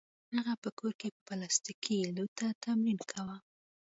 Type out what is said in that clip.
هغه په کور کې په پلاستیکي لوټه تمرین کاوه